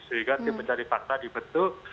sehingga tim pencari fakta dibentuk